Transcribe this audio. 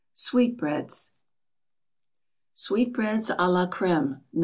SWEETBREADS SWEETBREADS à la CREME, No.